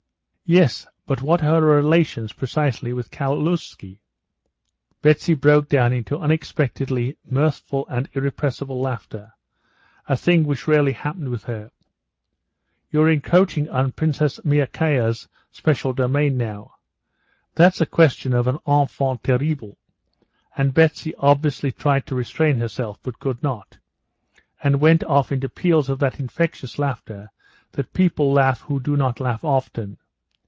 "Yes, but what are her relations precisely with Kaluzhsky?" Betsy broke into unexpectedly mirthful and irrepressible laughter, a thing which rarely happened with her. "You're encroaching on Princess Myakaya's special domain now. That's the question of an enfant terrible," and Betsy obviously tried to restrain herself, but could not, and went off into peals of that infectious laughter that people laugh who do not laugh often.